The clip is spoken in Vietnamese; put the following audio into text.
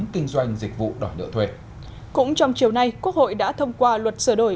kinh doanh dịch vụ đổi nợ thuê cũng trong chiều nay quốc hội đã thông qua luật sở đổi